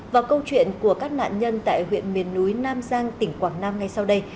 và câu chuyện của các nạn nhân tại huyện miền núi nam giang tỉnh quảng nam ngay sau đây